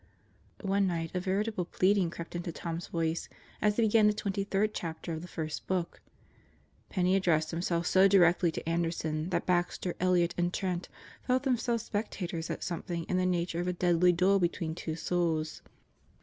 One night a veritable pleading crept into Tom's voice as he began the twenty third chapter of the First Book. Penney ad dressed himself so directly to Anderson that Baxter, Elliott, and Trent felt themselves spectators at something in the nature of a deadly duel between two souls.